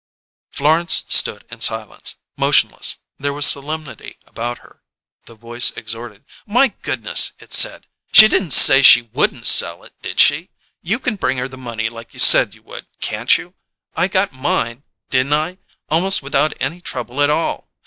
_" Florence stood in silence, motionless; there was a solemnity about her. The voice exhorted. "My goodness!" it said. "She didn't say she wouldn't sell it, did she? You can bring her the money like you said you would, can't you? I got mine, didn't I, almost without any trouble at all!